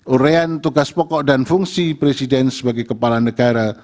urean tugas pokok dan fungsi presiden sebagai kepala negara